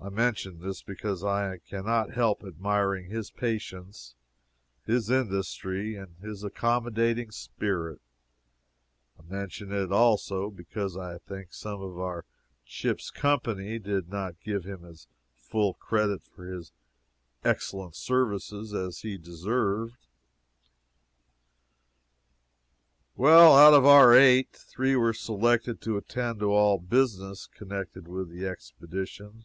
I mention this because I can not help admiring his patience, his industry, and his accommodating spirit. I mention it also, because I think some of our ship's company did not give him as full credit for his excellent services as he deserved. Well, out of our eight, three were selected to attend to all business connected with the expedition.